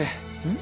ん？